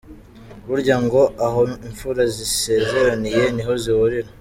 Burya ngo " aho imfura zisezeraniye niho zihurira”.